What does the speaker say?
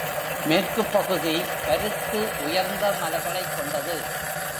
மேற்குப்பகுதி பருத்து உயர்ந்த மலைகளைக் கொண்டது.